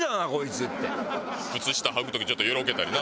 靴下はく時ちょっとよろけたりな。